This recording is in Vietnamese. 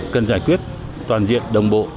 cần giải quyết toàn diện đồng bộ